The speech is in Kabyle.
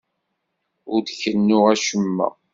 Ur d-kennuɣ acemma.